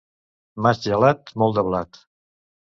Maig gelat, molt de blat.